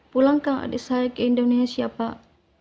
pulangkan adik saya ke indonesia pak